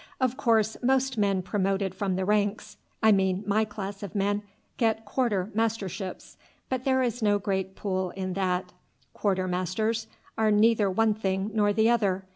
Of course most men promoted from the ranks I mean my class of men get quarter masterships, but there is no great pull in that. Quarter masters are neither one thing nor the other.